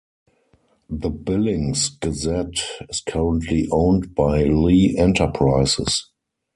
The Billings Gazette is currently owned by Lee Enterprises.